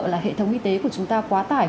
là hệ thống y tế của chúng ta quá tải